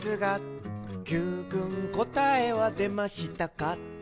「Ｑくんこたえはでましたか？」